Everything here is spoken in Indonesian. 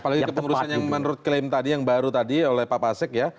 apalagi kepengurusan yang menurut klaim tadi yang baru tadi oleh pak pasek ya